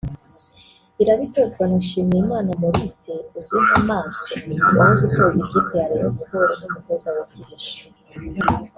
iraba itozwa na Nshimiyimana Maurice uzwi nka Maso wahoze atoza ikipe ya Rayon Sports nk’umutoza wungirije